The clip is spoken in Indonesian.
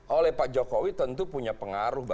oleh pak jokowi tentu punya pengaruh